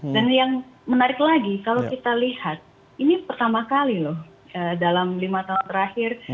dan yang menarik lagi kalau kita lihat ini pertama kali loh dalam lima tahun terakhir